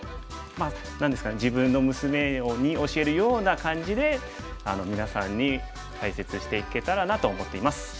まあ何ですかね自分の娘に教えるような感じでみなさんに解説していけたらなと思っています。